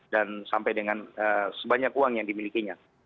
dan sampai dengan sebanyak uang yang dimilikinya